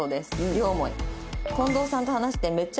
両思い。